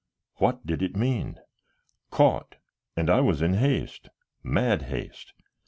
What did it mean? Caught, and I was in haste, mad haste.